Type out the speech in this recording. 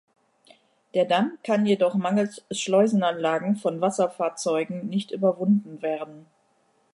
Der Damm kann jedoch mangels Schleusenanlagen von Wasserfahrzeugen nicht überwunden werden.